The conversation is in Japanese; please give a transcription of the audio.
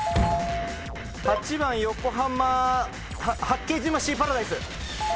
８番横浜・八景島シーパラダイス。